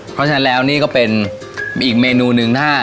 เพราะฉะนั้นแล้วเนี่ยนี่ก็เป็นอีกเมนูนึง